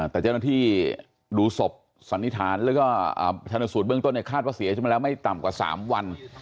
แต่เจ้าหน้าที่ดูศพสันนิษฐานแล้วก็ชนสูตรเบื้องต้นคาดว่าเสียชีวิตมาแล้วไม่ต่ำกว่า๓วัน